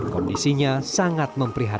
kondisinya sangat memprihatin